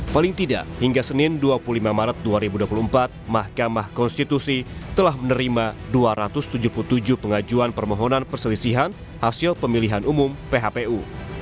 paling tidak hingga senin dua puluh lima maret dua ribu dua puluh empat mahkamah konstitusi telah menerima dua ratus tujuh puluh tujuh pengajuan permohonan perselisihan hasil pemilihan umum phpu